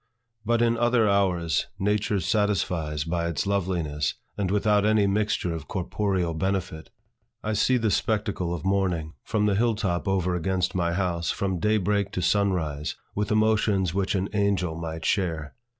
But in other hours, Nature satisfies by its loveliness, and without any mixture of corporeal benefit. I see the spectacle of morning from the hill top over against my house, from day break to sun rise, with emotions which an angel might share.